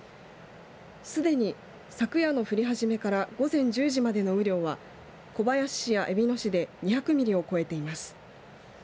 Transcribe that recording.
すでに、昨夜の降り始めから午前１０時までの雨量は小林市やえびの市で２００ミリを超えています。